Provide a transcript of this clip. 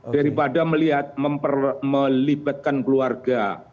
daripada melihat melibatkan keluarga